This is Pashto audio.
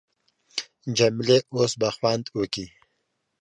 جمیلې اوس به خوند وکي.